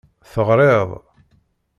Teɣriḍ.